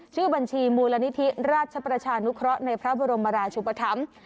ชื่อบัญชีมูลนิธิราชประชานุเคราะห์ในพระบรมราชุปธรรม